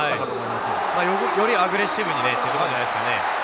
まあよりアグレッシブにということじゃないですかね。